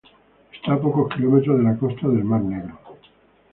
Está a pocos kilómetros de la costa del Mar Negro.